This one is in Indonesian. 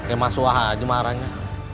emang suah aja marahnya